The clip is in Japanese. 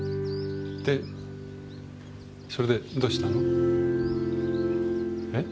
でそれでどうしたの？え？